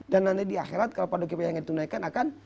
dan nanti di akhirat kalau paduki payah yang ditunaikan akan